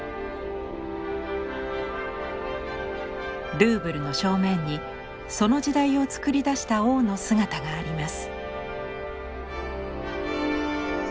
ルーブルの正面にその時代を作り出した王の姿があります。